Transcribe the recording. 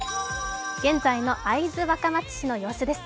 現在の会津若松市の様子です。